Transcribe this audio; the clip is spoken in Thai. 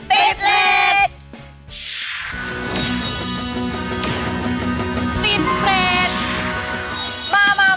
ดังนั้นเรามาเริ่มติดเรทกันเลยนะคะสำหรับตัวแรกค่ะ